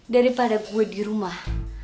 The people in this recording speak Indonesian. daripada gue di rumah